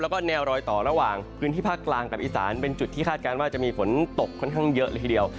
แล้วก็แนวรอยต่อระหว่างพื้นที่ภาคกลางกับอีสานเป็นจุดที่คาดการณ์ว่าจะมีฝนตกค่อนข้างเยอะเลยทีเดียว